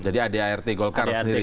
jadi adart golkar sendiri ya